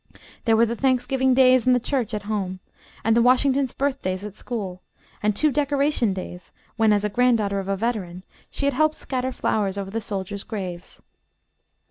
There were the Thanksgiving days in the church at home, and the Washington's birthdays at school, and two Decoration days, when, as a granddaughter of a veteran, she had helped scatter flowers over the soldiers' graves.